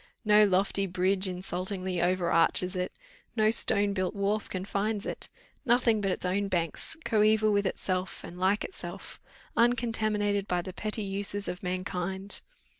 No lofty bridge insultingly over arches it, no stone built wharf confines it; nothing but its own banks, coeval with itself and like itself, uncontaminated by the petty uses of mankind!